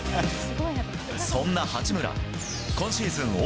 そんな八村、今シーズン